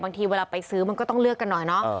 บางทีเวลาไปซื้อมันก็ต้องเลือกกันหน่อยเนอะเออ